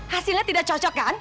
hasilnya tidak cocok kan